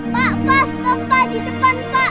pak pak stoppa di depan pak